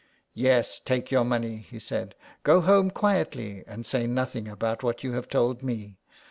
" Yes, take your money," he said. " Go home quietly, and say nothing about what you have told me.